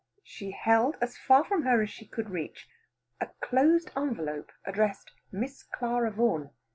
She held as far from her as she could reach a closed envelope, addressed "Miss Clara Vaughan."